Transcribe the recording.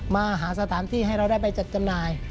มาหาสถานที่ให้เราได้ไปจัดจำหน่าย